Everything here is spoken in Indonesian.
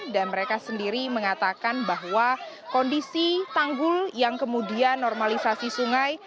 dan mereka sendiri mengatakan bahwa kondisi tanggul yang kemudian normalisasi sungai